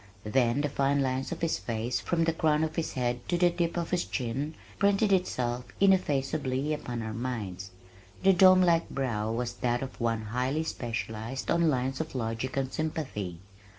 Then the fine line of his face from the crown of his head to the tip of his chin printed itself ineffaceably upon our minds. The dome like brow was that of one highly specialized on lines of logic and sympathy.